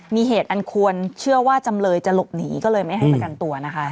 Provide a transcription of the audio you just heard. มีเหตุอันควรเชื่อว่าจำเลยจะหลบหนีก็เลยไม่ให้ประกันตัวนะคะ